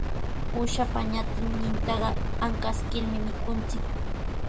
Uushapa ñatinnintaqa ankaskirmi mikunchik.